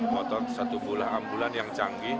motor satu buah ambulan yang canggih